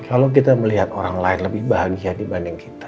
kalau kita melihat orang lain lebih bahagia dibanding kita